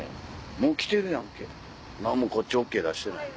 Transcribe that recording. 「もう来てるやんけこっちＯＫ出してない」。